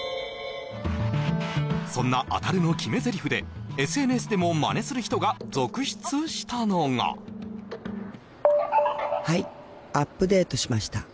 そんなアタルの決め台詞でＳＮＳでもまねする人が続出したのがはいアップデートしました